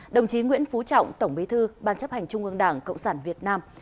đồng chí nguyễn phú trọng tổng bí thư ban chấp hành trung ương đảng cộng sản việt nam